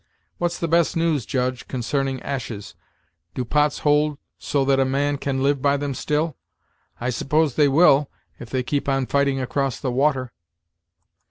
What's the best news, Judge, consarning ashes? do pots hold so that a man can live by them still? I s'pose they will, if they keep on fighting across the water."